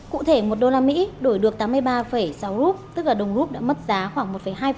cụ thể một đô la mỹ đổi được tám mươi ba sáu rút tức là đồng rút đã mất giá khoảng một hai